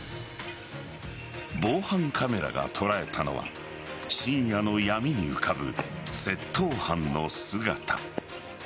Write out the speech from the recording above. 防犯カメラが捉えたのは深夜の闇に浮かぶ窃盗犯の姿。